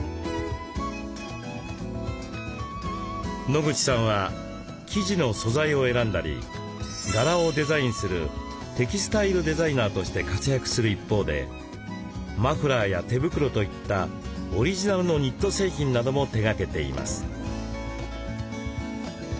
野口さんは生地の素材を選んだり柄をデザインするテキスタイルデザイナーとして活躍する一方でマフラーや手袋といったオリジナルのニット製品なども手がけています。